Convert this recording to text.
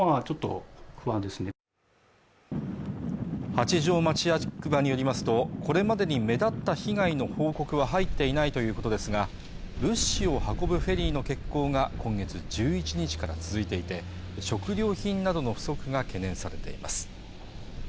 八丈町役場によりますとこれまでに目立った被害の報告は入っていないということですが物資を運ぶフェリーの欠航が今月１１日から続いていて食料品などの不足が懸念されています